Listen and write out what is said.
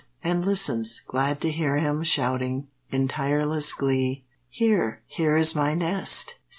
And listens, glad to hear him Shouting, in tireless glee, "Here, here is my nest!